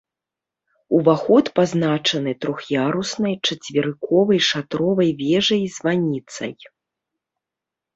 Уваход пазначаны трох'яруснай чацверыковай шатровай вежай-званіцай.